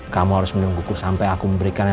kamu harus menungguku sampai aku memberikannya